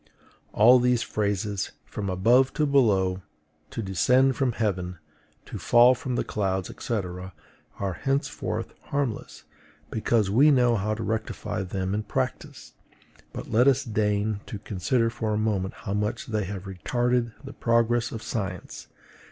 All these phrases FROM ABOVE TO BELOW; TO DESCEND FROM HEAVEN; TO FALL FROM THE CLOUDS, &C. are henceforth harmless, because we know how to rectify them in practice; but let us deign to consider for a moment how much they have retarded the progress of science.